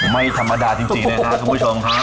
ไม่ธรรมดาจริงเลยนะครับคุณผู้ชม